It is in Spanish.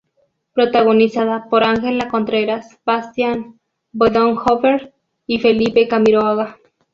Protagonizada por Ángela Contreras, Bastián Bodenhöfer y Felipe Camiroaga.